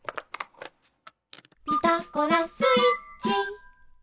「ピタゴラスイッチ」